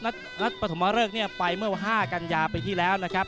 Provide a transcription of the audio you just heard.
นัดปฐมเริกเนี่ยไปเมื่อ๕กันยาปีที่แล้วนะครับ